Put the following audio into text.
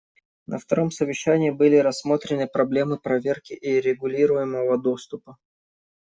На втором совещании были рассмотрены проблемы проверки и регулируемого доступа.